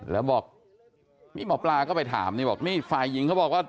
แล้วบอกนี่หมอปลาก็ไปถามนี่บอกนี่ฝ่ายหญิงเขาบอกว่า